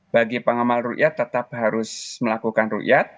bagi pengamal ru yat tetap harus melakukan ru yat